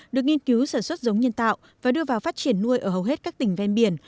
được nghiên cứu sản xuất giống nhân tạo và đưa vào phát triển nuôi ở hầu hết các tỉnh ven biển